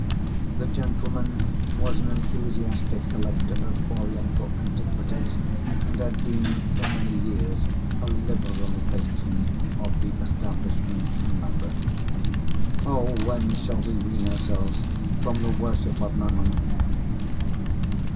The gentleman was an enthusiastic collector of Oriental antiquities, and had been for many years a liberal patron of the establishment in Lambeth. Oh, when shall we wean ourselves from the worship of Mammon!